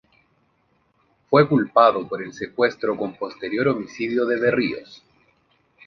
Fue culpado por el secuestro con posterior homicidio de Berríos.